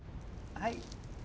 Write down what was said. はい。